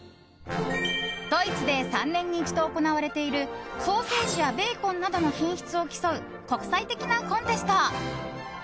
ドイツで３年に一度行われているソーセージやベーコンなどの品質を競う国際的なコンテスト。